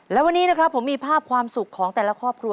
และวันนี้นะครับผมมีภาพความสุขของแต่ละครอบครัว